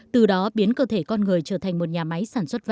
từ đó biến cơ thể con người trở thành một nhà máy